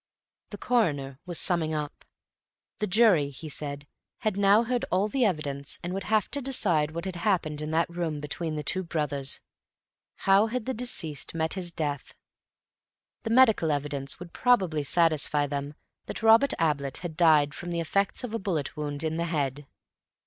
The Coroner was summing up. The jury, he said, had now heard all the evidence and would have to decide what had happened in that room between the two brothers. How had the deceased met his death? The medical evidence would probably satisfy them that Robert Ablett had died from the effects of a bullet wound in the head.